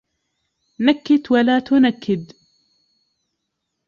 نَكّتْ ولا تُنكّد.